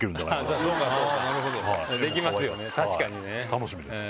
楽しみです。